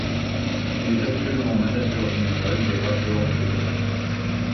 Il est actuellement manager général des Raptors de Toronto.